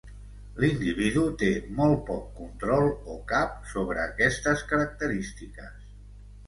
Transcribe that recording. L'individu té molt poc control, o cap, sobre aquestes característiques.